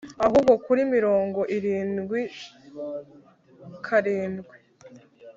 ahubwo kuri mirongo irindwi karindwi